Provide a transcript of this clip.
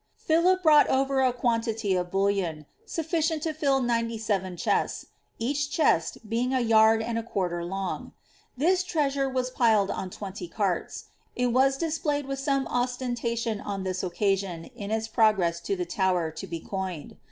Philip brought over a quantity of bullion, sufHcient to fill ninety seven chests, each chest being a yard and a quarter long. This treasure was piled on twenty carts ; it was displayed with some ostentation on this occasion, in its progress to the Tower to be coined.